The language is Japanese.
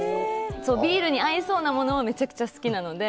ビールに合いそうなものがめちゃくちゃ好きなので。